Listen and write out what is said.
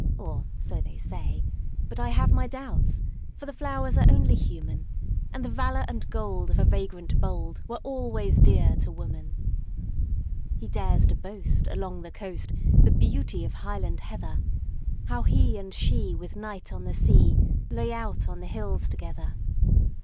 Or, so they say! But I have my doubts; For the flowers are only human, And the valor and gold of a vagrant boldWere always dear to woman. He dares to boast, along the coast, The beauty of Highland Heather,—How he and she, with night on the sea, Lay out on the hills together.